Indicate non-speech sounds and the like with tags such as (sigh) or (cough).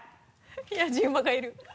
やじ馬がいる (laughs)